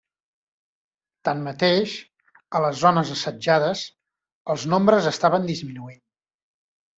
Tanmateix, a les zones assetjades, els nombres estaven disminuint.